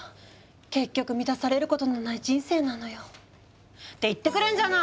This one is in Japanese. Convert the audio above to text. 結局満たされることのない人生なのよ。って言ってくれんじゃない！